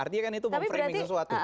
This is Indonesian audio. artinya kan itu memframing sesuatu